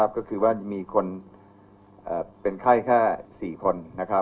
ก็คือว่ามีคนเป็นไข้แค่๔คน